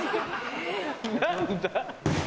何だ？